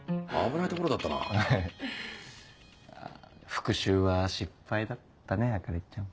復讐は失敗だったね朱里ちゃん。